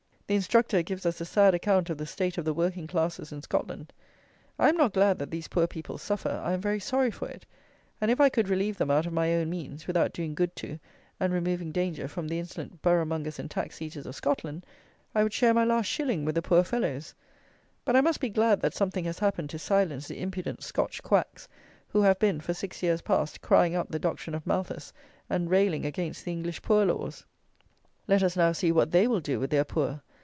The "instructor" gives us a sad account of the state of the working classes in Scotland. I am not glad that these poor people suffer: I am very sorry for it; and if I could relieve them out of my own means, without doing good to and removing danger from the insolent borough mongers and tax eaters of Scotland, I would share my last shilling with the poor fellows. But I must be glad that something has happened to silence the impudent Scotch quacks, who have been, for six years past, crying up the doctrine of Malthus, and railing against the English poor laws. Let us now see what they will do with their poor.